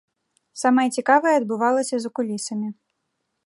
Самае цікавае адбывалася за кулісамі.